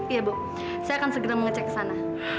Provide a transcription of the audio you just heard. iya bu saya akan segera mengecek ke sana